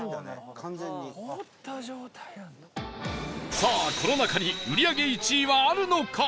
さあ、この中に売り上げ１位はあるのか？